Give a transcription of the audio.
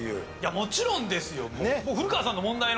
もちろんですよ！